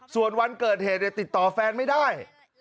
ส่วนวันเกิดเหตุติดต่อแฟนไม่ได้